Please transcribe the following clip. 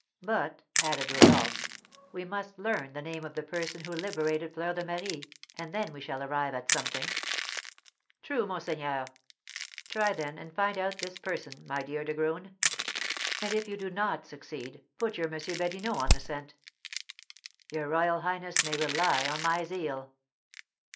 But," added Rodolph, "we must learn the name of the person who liberated Fleur de Marie, and then we shall arrive at something." "True, monseigneur." "Try, then, and find out this person, my dear De Graün; and if you do not succeed, put your M. Badinot on the scent." "Your royal highness may rely on my zeal."